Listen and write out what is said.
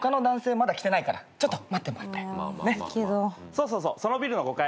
そうそうそうそのビルの５階。